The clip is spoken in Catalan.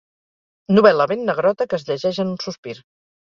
Novel·la ben negrota que es llegeix en un sospir.